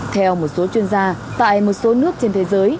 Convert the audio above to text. theo một số chuyên gia tại một số nước trên thế giới